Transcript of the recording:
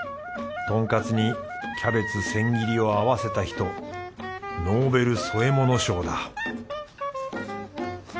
とんかつにキャベツ千切りを合わせた人ノーベル添え物賞だ